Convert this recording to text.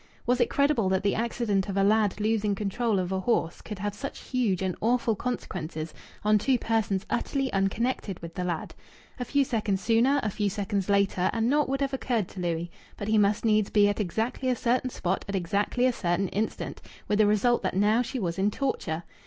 Was it credible that the accident of a lad losing control of a horse could have such huge and awful consequences on two persons utterly unconnected with the lad? A few seconds sooner, a few seconds later and naught would have occurred to Louis, but he must needs be at exactly a certain spot at exactly a certain instant, with the result that now she was in torture!